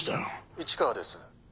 市川です。